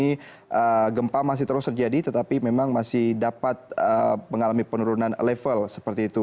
ini gempa masih terus terjadi tetapi memang masih dapat mengalami penurunan level seperti itu